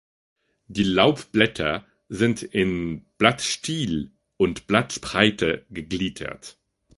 Die Laubblätter sind in Blattstiel und Blattspreite gegliedert.